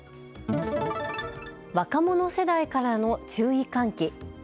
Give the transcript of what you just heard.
若者世代からの注意喚起。